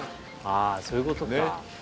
あそういうことか。